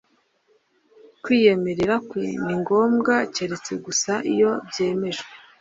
kwiyemerera kwe ni ngombwa keretse gusa iyo byemejwe